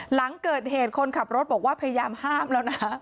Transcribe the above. หลังเกิดเหตุคนขับรถบอกว่าพยายามห้ามแล้วนะ